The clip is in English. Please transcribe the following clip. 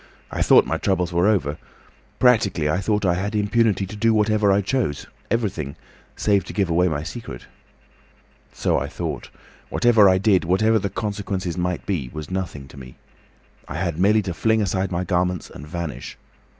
I thought my troubles were over. Practically I thought I had impunity to do whatever I chose, everything—save to give away my secret. So I thought. Whatever I did, whatever the consequences might be, was nothing to me. I had merely to fling aside my garments and vanish.